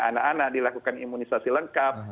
anak anak dilakukan imunisasi lengkap